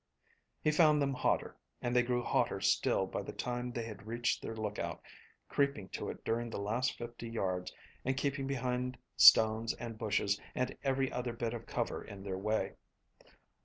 He found them hotter, and they grew hotter still by the time they had reached their lookout, creeping to it during the last fifty yards and keeping behind stones and bushes and every other bit of cover in their way.